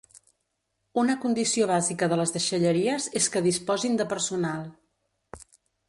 Una condició bàsica de les deixalleries és que disposin de personal.